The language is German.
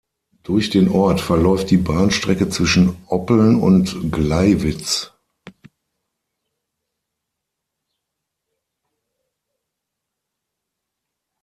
Durch den Ort verläuft die Bahnstrecke zwischen Oppeln und Gleiwitz.